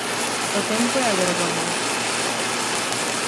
O tempo e a vergoña.